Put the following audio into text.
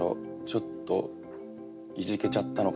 ちょっといじけちゃったのかな？